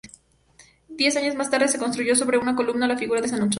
Diez años más tarde se construyó sobre una columna la figura de San Saturio.